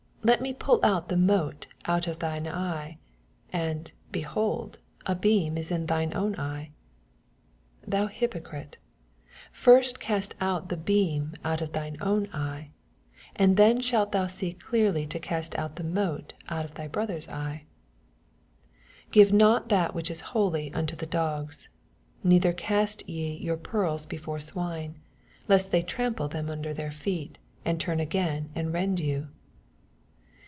Let me pull out the mote out of thine eye ; and, behold, a beam is in thine own oye ) 5 Thou hvpooiite, first cast out the beam out of thine own eye ; and then shalt thou see clearlv to cast out the mote out of thy brother's eye. 6 Give not that which is holy xmto the dogs, neither cast ye your pearls before swine, lest they trample them under their feet, and turn again and rend you.